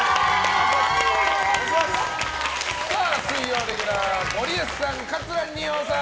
水曜レギュラーゴリエさん、桂二葉さん！